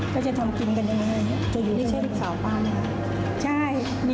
ก็จะทำกินกันได้ไงเพื่อจะอยู่ที่นี่